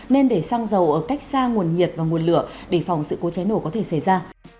nên để xăng dầu ở cách xa nguồn nhiệt và nguồn lửa để phòng sự cố cháy nổ có thể xảy ra